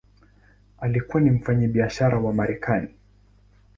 Alikuwa ni mfanyabiashara wa Marekani.